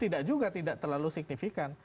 tidak juga tidak terlalu signifikan